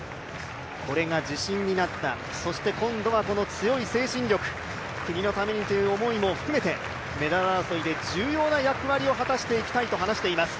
これが自信になったそして今度はこの強い精神力国のためにという思いも含めてメダル争いで重要な役割を果たしていきたいと話しています。